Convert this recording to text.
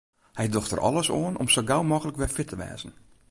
Hy docht der alles oan om sa gau mooglik wer fit te wêzen.